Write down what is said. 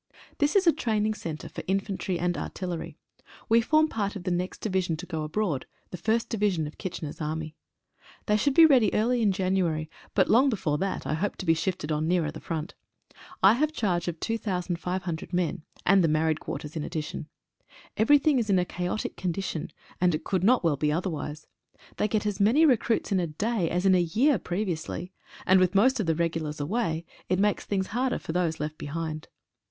This is a training centre for infantry and artillery. We form part of the next Division to go abroad — the First Division of Kitchener's Army. They should be ready early in January, but long before that I hope to be shifted on nearer the front. I have charge of 2,500 men, and the married quarters in addition. Everything is in a chaotic condition, and it could not well be otherwise. They get as many recruits in a day as in a year pre viously, and with most of the regulars away, it makes things harder for those reft behind.